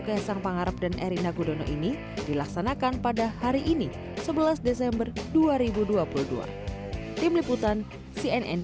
kaisang pangarap dan erina gudono ini dilaksanakan pada hari ini sebelas desember dua ribu dua puluh dua tim liputan cnn